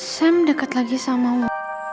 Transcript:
sam deket lagi sama lo